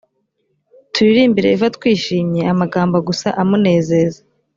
turirimbire yehova twishimye amagambo gusa amunezeza